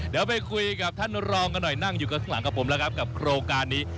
เดี๋ยวไปคุยกับท่านรองกันหน่อยนั่งอยู่ข้างหลังกับผมแล้วครับกับโครงการนี้